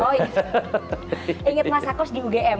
inget masa kos di ugm